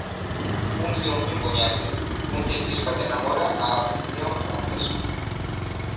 Un triunfo impoñente, un ciclista que namora a afección francesa.